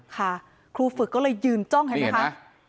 ครูฝึกก็เลยยืนจ้องเห็นไหมคะ